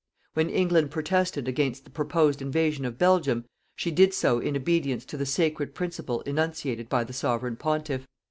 When England protested against the proposed invasion of Belgium, she did so in obedience to the sacred principle enunciated by the Sovereign Pontiff.